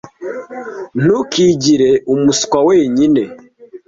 Ntukigire umuswa wenyine.